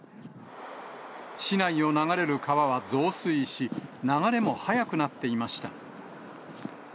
市内を流れる川は増水し、流れも速くなっていました。